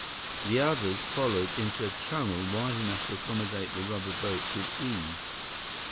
The others followed into a channel wide enough to accommodate the rubber boats with ease.